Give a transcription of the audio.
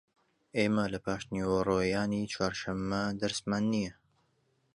ئێمە لە پاشنیوەڕۆیانی چوارشەممە دەرسمان نییە.